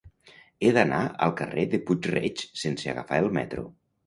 He d'anar al carrer de Puig-reig sense agafar el metro.